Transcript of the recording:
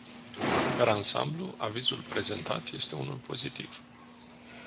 Per ansamblu, avizul prezentat este unul pozitiv.